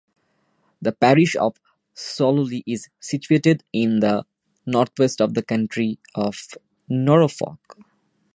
The parish of Sloley is situated in the northwest of the county of Norfolk.